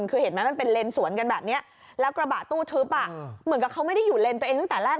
คือเห็นไหมมันเป็นเลนสวนกันแบบนี้แล้วกระบะตู้ทึบเหมือนกับเขาไม่ได้อยู่เลนตัวเองตั้งแต่แรก